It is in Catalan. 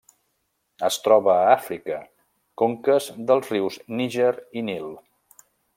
Es troba a Àfrica: conques dels rius Níger i Nil.